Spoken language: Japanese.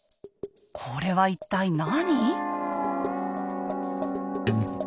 これは一体何？